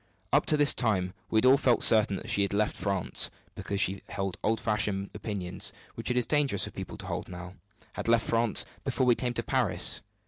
Up to this time we had all felt certain that she had left France, because she held old fashioned opinions which it is dangerous for people to hold now had left France before we came to Paris.